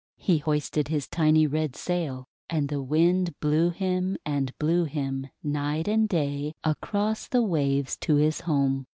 He hoisted his tiny red sail, and the Wind blew him, and blew him, night and day, across the waves to his home.